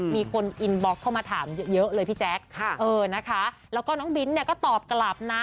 มีคนอินบล็อกเข้ามาถามเยอะเลยพี่แจ๊กแล้วก็น้องบิ๊นก็ตอบกลับนะ